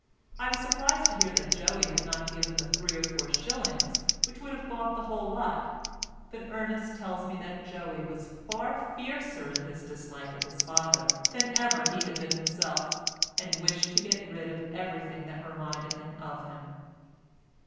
I was surprised to hear that Joey had not given the three or four shillings which would have bought the whole lot, but Ernest tells me that Joey was far fiercer in his dislike of his father than ever he had been himself, and wished to get rid of everything that reminded him of him.